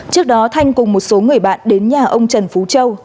trước đó thanh cùng một số người bạn đến nhà ông trần phú châu